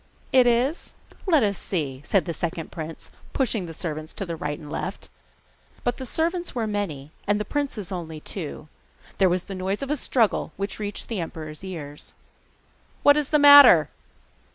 'Is it? let us see!' said the second prince, pushing the servants to right and left. But the servants were many, and the princes only two. There was the noise of a struggle, which reached the emperor's ears. 'What is the matter?